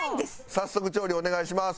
早速調理お願いします。